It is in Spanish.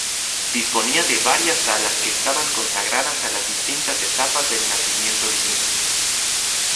Disponía de varias salas que estaban consagradas a las distintas etapas del nacimiento divino.